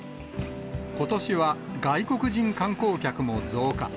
ことしは外国人観光客も増加。